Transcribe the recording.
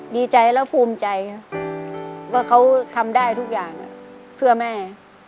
ดีใจและภูมิใจว่าเขาทำได้ทุกอย่างเพื่อแม่